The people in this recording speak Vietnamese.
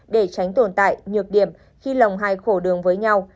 để tránh tồn tại nhược điểm khi lồng hai khổ đường với nhau